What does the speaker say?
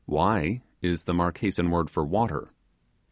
'Wai' is the Marquesan word for water.